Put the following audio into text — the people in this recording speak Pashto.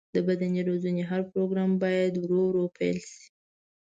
د بدني روزنې هر پروګرام باید ورو ورو پیل شي.